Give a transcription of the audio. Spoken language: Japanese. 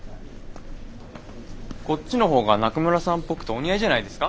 こっちのほうが中村さんっぽくてお似合いじゃないですか